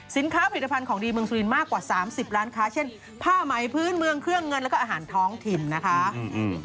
ผลิตภัณฑ์ของดีเมืองสุรินมากกว่าสามสิบล้านค้าเช่นผ้าไหมพื้นเมืองเครื่องเงินแล้วก็อาหารท้องถิ่นนะคะ